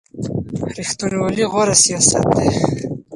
ریښتینولي غوره سیاست دی.